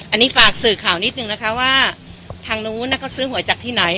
อันนี้ฝากสื่อข่าวนิดนึงนะคะว่าทางนู้นเขาซื้อหวยจากที่ไหน